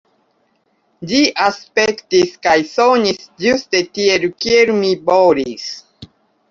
Ĝi aspektis kaj sonis ĝuste tiel, kiel mi volis.